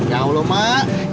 ya allah mak